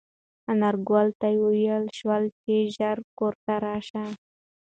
انارګل ته وویل شول چې ژر کور ته راشي.